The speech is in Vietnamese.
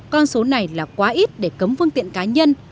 con số này là quá ít để cấm phương tiện cá nhân